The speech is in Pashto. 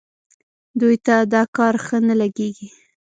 دوی ته دا کار ښه نه لګېږي.